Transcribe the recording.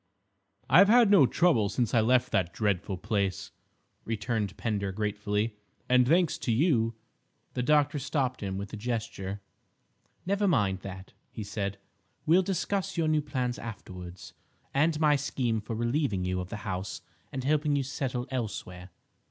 "I've had no trouble since I left that dreadful place," returned Pender gratefully; "and thanks to you—" The doctor stopped him with a gesture. "Never mind that," he said, "we'll discuss your new plans afterwards, and my scheme for relieving you of the house and helping you settle elsewhere.